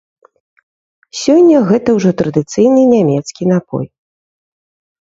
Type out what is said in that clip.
Сёння гэта ўжо традыцыйны нямецкі напой.